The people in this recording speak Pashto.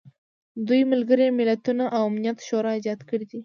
دوی ملګري ملتونه او امنیت شورا ایجاد کړي دي.